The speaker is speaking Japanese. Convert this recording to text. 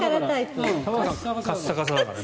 カッサカサだから。